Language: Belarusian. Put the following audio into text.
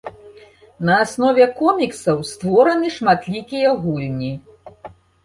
На аснове коміксаў створаны шматлікія гульні.